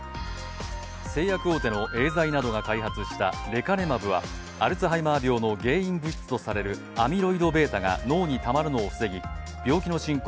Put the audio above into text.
製薬大手のエーザイなどが開発したレカネマブはアルツハイマー病の原因物質とされるアミロイドβが脳にたまるのを防ぎ、病気の進行